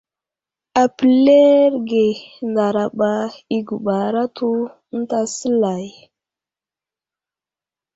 Apəleerge ndaraba i guɓar atu ənta səlay.